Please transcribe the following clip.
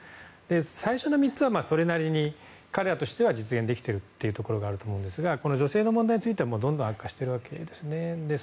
最初の３つは彼らとしては実現できているところはあると思うんですが女性に問題についてはどんどん悪化してるわけですね。